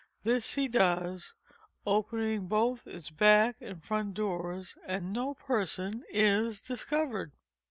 This he does—opening both its back and front doors—and no person Is discovered.